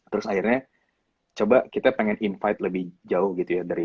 terus akhirnya coba kita pengen invite lebih jauh gitu ya